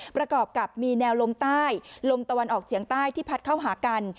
ประกอบกับมีแนวลมใต้ลมตะวันออกเฉียงใต้ที่พัดเข้าหากัน